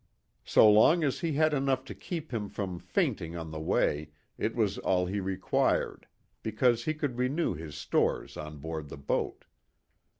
So long as he had enough to keep him from fainting on the way, it was all he required, because he could renew his stores on board the boat.